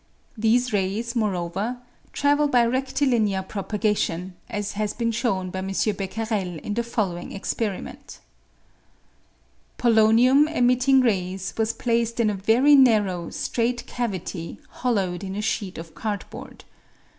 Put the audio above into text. These rays, moreover, travel by redilinear propagation, as has been shown by M. Becquerel in the following experiment :— Polonium emitting rays was placed in a very narrow straight cavitj* hollowed in a sheet of cardboard.